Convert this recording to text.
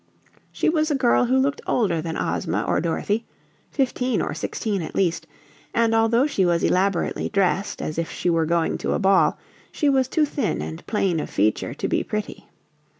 She was a girl who looked older than Ozma or Dorothy fifteen or sixteen, at least and although she was elaborately dressed as if she were going to a ball she was too thin and plain of feature to be pretty.